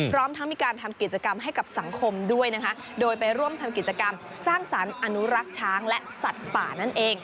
พร้อมทั้งมีการทำกิจกรรมให้กับสังคมด้วยนะคะโดยไปร่วมทำกิจกรรมสร้างสรรค์อนุรักษ์ช้างและสัตว์ป่านั่นเอง